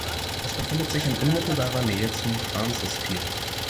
Es befindet sich in unmittelbarer Nähe zum Francis Field.